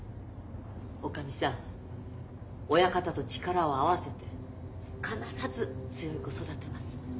おかみさん親方と力を合わせて必ず強い子育てます。